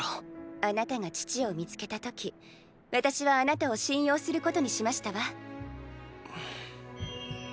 あなたが父を見つけた時私はあなたを信用することにしましたわ。